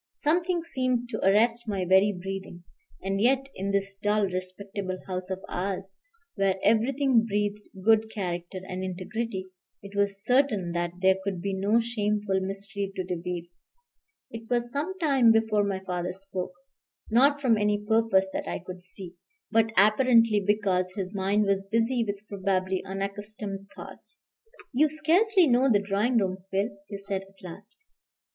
Something seemed to arrest my very breathing; and yet in this dull, respectable house of ours, where everything breathed good character and integrity, it was certain that there could be no shameful mystery to reveal. It was some time before my father spoke, not from any purpose that I could see, but apparently because his mind was busy with probably unaccustomed thoughts. "You scarcely know the drawing room, Phil," he said at last.